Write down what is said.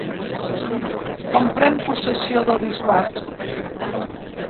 Com pren possessió del bisbat?